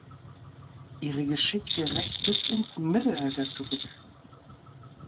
Ihre Geschichte reicht bis ins Mittelalter zurück.